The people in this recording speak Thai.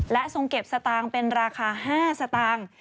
และทรงเก็บสตางค์เป็นราคา๕สตางค์